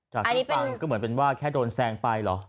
จากที่ฟังก็เหมือนเป็นว่าแค่โดนแซงไปเหรอ